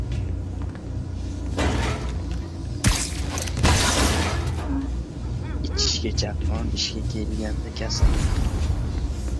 • Ichishga — chaqqon, ishga kelganda — kasal.